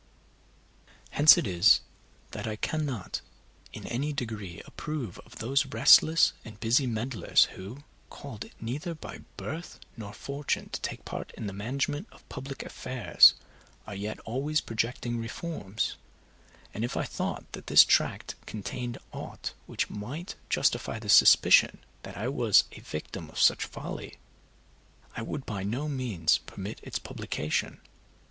Hence it is that I cannot in any degree approve of those restless and busy meddlers who, called neither by birth nor fortune to take part in the management of public affairs, are yet always projecting reforms; and if I thought that this tract contained aught which might justify the suspicion that I was a victim of such folly, I would by no means permit its publication.